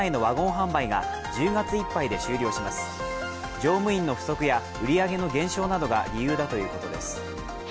乗務員の不足や売り上げの減少が原因だということです。